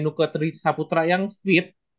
nuko trisaputra yang fit